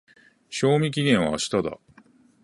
賞味期限は明日だ。